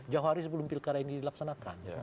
jauh hari sebelum pilkada ini dilaksanakan